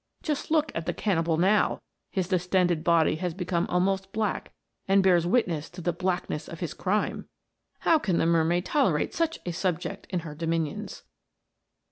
Just look at the cannibal now ; his distended body has become almost black, and bears witness to the blackness of his crime ! How can the mermaid tolerate such a subject in her dominions